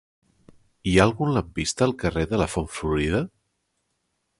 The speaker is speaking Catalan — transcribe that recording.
Hi ha algun lampista al carrer de la Font Florida?